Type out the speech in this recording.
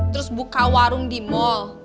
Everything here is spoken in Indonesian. terus buka warung di mal